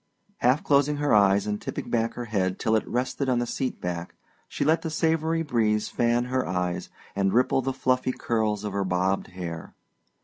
Half closing her eyes and tipping back her head till it rested on the seat back she let the savory breeze fan her eyes and ripple the fluffy curls of her bobbed hair.